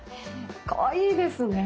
かわいいですね。